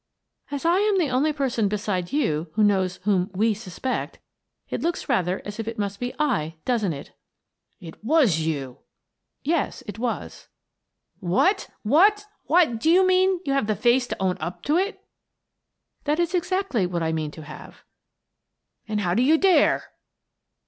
" As I am the only person beside yourself who knows whom 'we' suspect, it lodes rather as if it must be I, doesn't it? " "ItOKwyou!" "Yes, it was." " What! What! What! Do you mean to have the face to own up to it? "" That is exactly what I mean to have." " And how do you dare?